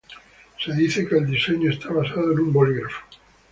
Se dice que el diseño está basado en un bolígrafo.